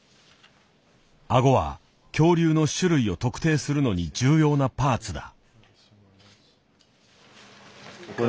顎は恐竜の種類を特定するのに重要なパーツだ。